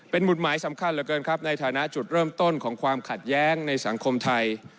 หมุดหมายสำคัญเหลือเกินครับในฐานะจุดเริ่มต้นของความขัดแย้งในสังคมไทย